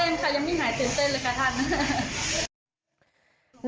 ตื่นเต้นค่ะยังไม่หายตื่นเต้นเลยค่ะท่าน